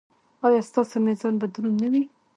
ایا ستاسو میزان به دروند نه وي؟